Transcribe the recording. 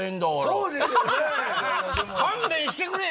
そうですよね！